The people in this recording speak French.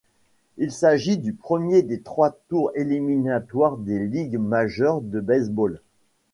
Il s'agit du premier des trois tours éliminatoires des Ligues majeures de baseball.